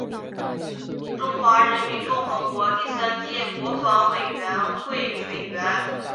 中华人民共和国第三届国防委员会委员。